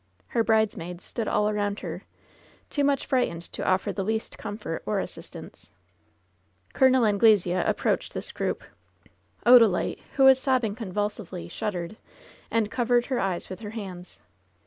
Her bridesmaids stood all around her, too much frightened to offer the least comfort or assistance. Col. Anglesea approached this group. Odalite, who was sobbing convulsively, shuddered, and covered her eyes with her hands.